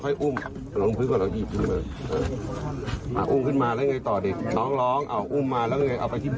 อ่ะลงพื้นก่อนแล้วค่อยครับไม่รู้หรอก